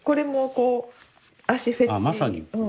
まさに。